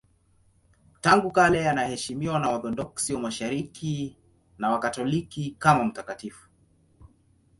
Tangu kale anaheshimiwa na Waorthodoksi wa Mashariki na Wakatoliki kama mtakatifu.